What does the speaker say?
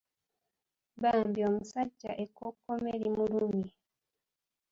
Bambi omusajja ekkokkome limulumye!